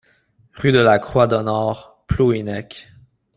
Rue de la Croix-Donnart, Plouhinec